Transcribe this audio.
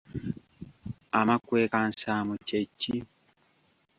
Amakwekansaamu kye ki?